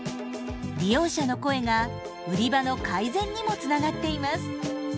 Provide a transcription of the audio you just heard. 利用者の声が売り場の改善にもつながっています。